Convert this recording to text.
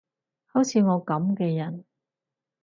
好似我噉嘅人